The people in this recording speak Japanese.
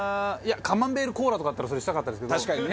カマンベールコーラとかあったらそれにしたかったですけど。